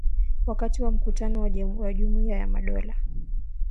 wakati wa mkutano wa Jumuiya ya Madola